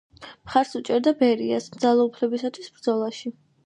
მხარს უჭერდა ბერიას ძალაუფლებისათვის ბრძოლაში.